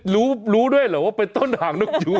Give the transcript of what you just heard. รู้รู้ด้วยเหรอว่าเป็นต้นหางนกยู